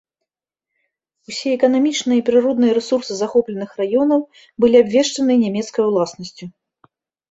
Усе эканамічныя і прыродныя рэсурсы захопленых раёнаў былі абвешчаныя нямецкай уласнасцю.